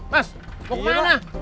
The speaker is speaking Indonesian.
mas mau kemana